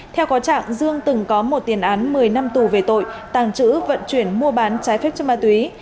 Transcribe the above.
theo có trạng dương từng có một tiền án một mươi năm tù về tội tàng trữ vận chuyển mua bán trái phép chất ma túy